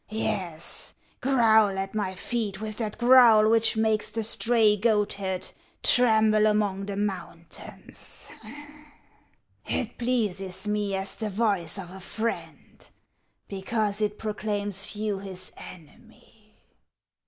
Yes, growl at my feet with that growl which makes the stray goatherd tremble among the mountains ; it pleases me as the voice of a friend, because it proclaims you his enemy.